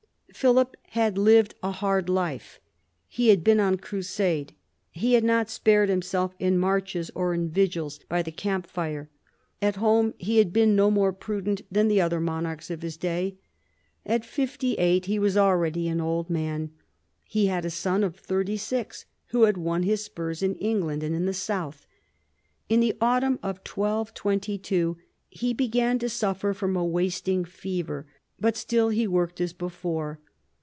Philip had lived a hard life. He had been on crusade. He had not spared himself in marches or in vigils by 224 PHILIP AUGUSTUS chap. the camp fire. At home he had been no more prudent than the other monarchs of his day. At fifty eight he was already an old man. He had a son of thirty six who had won his spurs in England and in the South. In the autumn of 1222 he began to suffer from a wasting fever, but still he worked as before.